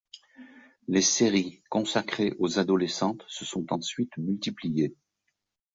Les séries consacrées aus adolescentes se sont ensuite multipliées.